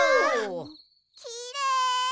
きれい！